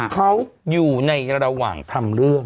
เขาอยู่ในระหว่างทำเรื่อง